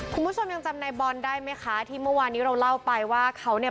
คุณผู้ชมยังจำนายบอลได้ไหมคะที่เมื่อวานนี้เราเล่าไปว่าเขาเนี่ย